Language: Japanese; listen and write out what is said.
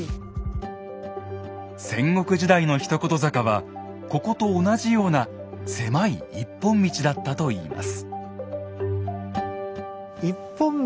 戦国時代の一言坂はここと同じような狭い一本道だったといいます。